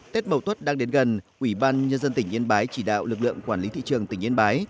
tết mầu tuất đang đến gần ủy ban nhân dân tỉnh yên bái chỉ đạo lực lượng quản lý thị trường tỉnh yên bái